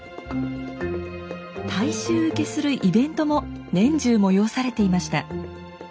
大衆受けするイベントも年中催されていました。